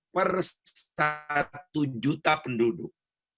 per satu juta penduduk